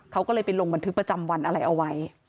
เขาก็เลยไปลงบันทึกประจำวันอะไรเอาไว้